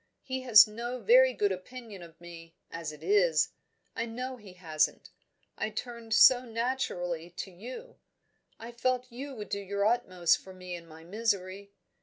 He has no very good opinion of me, as it is, I know he hasn't. I turned so naturally to you; I felt you would do your utmost for me in my misery.